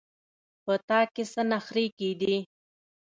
په تا کې څه نخرې کېدې.